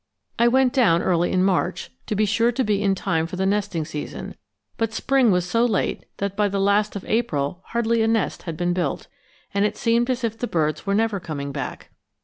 I went down early in March, to be sure to be in time for the nesting season; but spring was so late that by the last of April hardly a nest had been built, and it seemed as if the birds were never coming back.